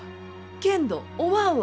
けんどおまんは。